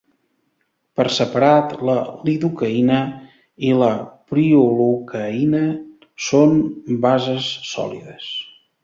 Per separat, la lidocaïna i la prilocaïna són bases sòlides.